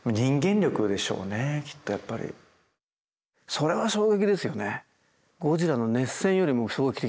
それは衝撃ですよね。